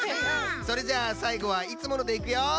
それじゃあさいごはいつものでいくよ！